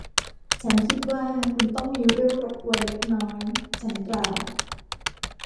ฉันคิดว่าคุณต้องมีเรื่องรบกวนเล็กน้อย ฉันกล่าว